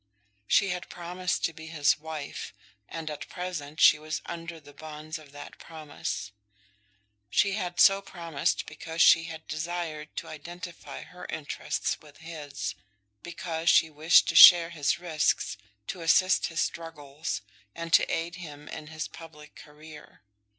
She had promised to be his wife, and at present she was under the bonds of that promise. She had so promised because she had desired to identify her interests with his, because she wished to share his risks, to assist his struggles, and to aid him in his public career.